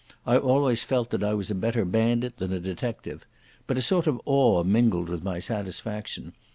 I always felt that I was a better bandit than a detective. But a sort of awe mingled with my satisfaction.